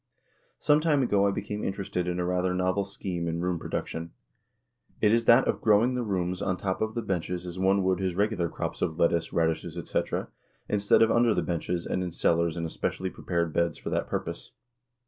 Some time ago I became interested in a rather novel scheme in 'room production: It is that of growing the 'rooms on top of the benches as one would his regular crops of lettuce, raddishes, etc., instead of under the benches and in cellars in especially prepared beds for that purpose.